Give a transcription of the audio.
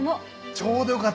ちょうどよかった。